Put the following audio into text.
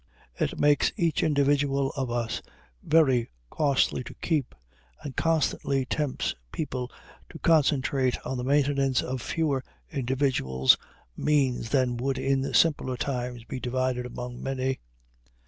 It makes each individual of us very costly to keep, and constantly tempts people to concentrate on the maintenance of fewer individuals means that would in simpler times be divided among many.